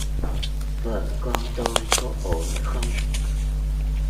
vợ con tôi có ổn không